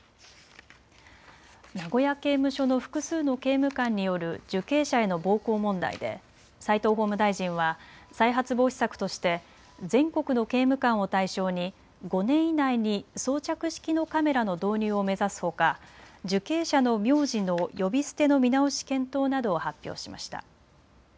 名古屋刑務所の複数の刑務官による受刑者への暴行問題で齋藤法務大臣は再発防止策として全国の刑務官を対象に５年以内に装着式のカメラの導入を目指すほか、受刑者の名字の呼び捨ての見直し検討などを発表しました。